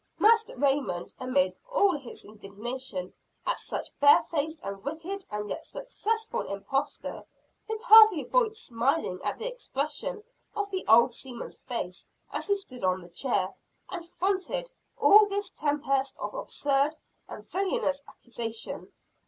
Master Raymond, amid all his indignation at such barefaced and wicked and yet successful imposture, could hardly avoid smiling at the expression of the old seaman's face as he stood on the chair, and fronted all this tempest of absurd and villainous accusation.